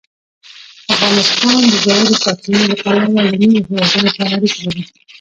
افغانستان د ژورې سرچینې له پلوه له نورو هېوادونو سره اړیکې لري.